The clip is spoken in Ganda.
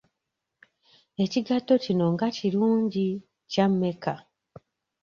Ekigatto kino nga kirungi kya mmeka?